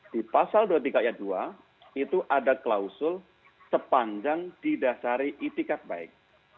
di pasal dua puluh tiga ayat dua itu ada klausul sepanjang didasari itikat baik